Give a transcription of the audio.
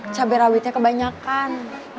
cabai rawitnya kebanyakan